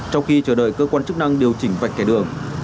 trong khi chờ đợi cơ quan chức năng điều chỉnh vạch kẻ đường